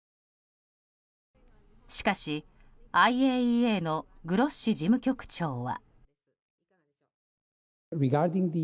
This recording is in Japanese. しかし、ＩＡＥＡのグロッシ事務局長は。